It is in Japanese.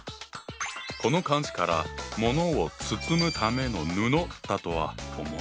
この漢字から物を包むための布だとは思わないよな。